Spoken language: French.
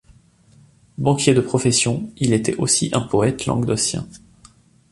Banquier de profession, il était aussi un poète languedocien.